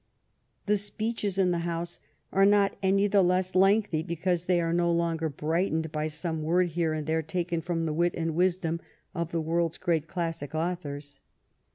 The speeches in the House are not any the less lengthy because they are no longer brightened by some words here and there taken from the wit and wisdom of the world's great classic authors.